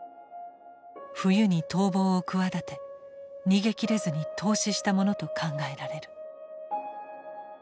冬に逃亡を企て逃げ切れずに凍死したものと考えられる。